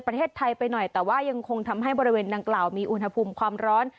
ประเทศไทยไปหน่อยแต่ว่ายังคงทำให้บริเวณดังกล่าวมีอุณหภูมิความร้อน